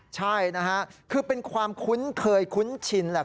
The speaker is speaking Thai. ใช่นะฮะคือเป็นความคุ้นเคยคุ้นชินแหละ